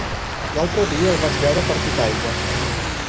L'altre dia el vaig veure per Titaigües.